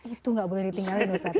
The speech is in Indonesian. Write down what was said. itu gak boleh ditinggalin ustaz